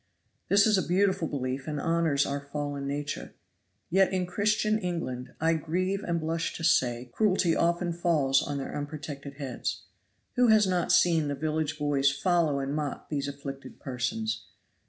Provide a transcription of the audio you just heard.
This is a beautiful belief and honors our fallen nature. Yet in Christian England, I grieve and blush to say, cruelty often falls on their unprotected heads. Who has not seen the village boys follow and mock these afflicted persons?